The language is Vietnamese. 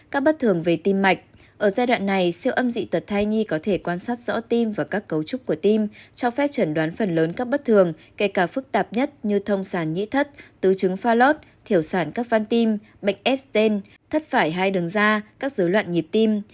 các bất thường về tim mạch ở giai đoạn này siêu âm dị tật thai nhi có thể quan sát rõ tim và các cấu trúc của tim cho phép chẩn đoán phần lớn các bất thường kể cả phức tạp nhất như thông sản nhí thất tứ chứng pha lót thiểu sản các van tim bệnh sten thất phải hai đường da các dối loạn nhịp tim